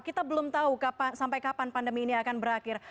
kita belum tahu sampai kapan pandemi ini akan berakhir